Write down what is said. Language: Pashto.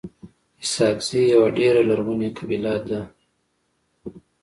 اسحق زی يوه ډيره لرغوني قبیله ده.